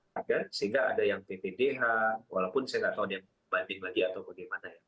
sehingga ada yang ptdh walaupun saya nggak tahu dibandingin lagi atau bagaimana